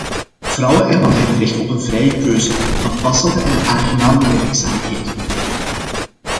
Vrouwen en mannen hebben recht op een vrije keuze van passende en aangename werkzaamheden.